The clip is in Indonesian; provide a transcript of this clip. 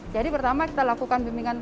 jadi pertama kita lakukan bimbingan